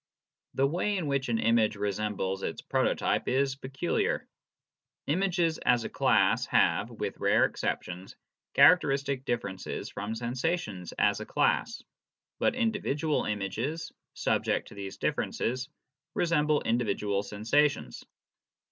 The way in which an image resembles its prototype is peculiar. Images as a class have (with rare exceptions) characteristic differences from sensations as a class, but indi vidual images, subject to these differences, resemble individual sensations.